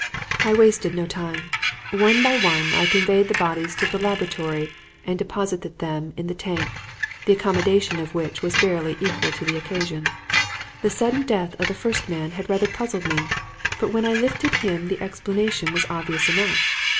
"I wasted no time. One by one, I conveyed the bodies to the laboratory and deposited them in the tank, the accommodation of which was barely equal to the occasion. The sudden death of the first man had rather puzzled me, but when I lifted him the explanation was obvious enough.